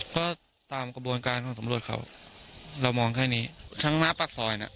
เพราะตามกระบวนการของสำรวจเขาเรามองแค่นี้ทั้งหน้าปากซอยน่ะ